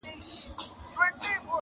کرونا راغلې پر خلکو غم دی-